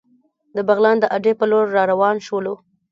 د بغلان د اډې په لور را روان شولو.